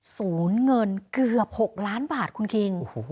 ศูนย์เงินเกือบ๖ล้านบาทคุณคิง